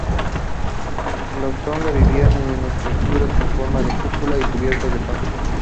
Los tonga vivían en estructuras con forma de cúpula y cubiertas de paja.